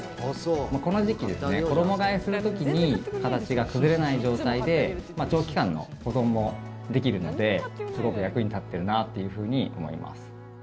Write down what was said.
この時期衣替えをする時に形が崩れない状態で長期間の保存もできるのですごく役に立っているなというふうに思います。